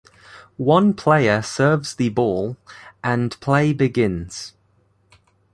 One player serves the ball, and play begins.